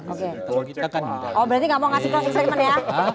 oh berarti tidak mau memberikan eksperimen ya